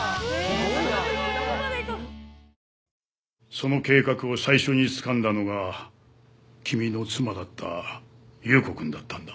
その計画を最初につかんだのが君の妻だった有雨子くんだったんだ。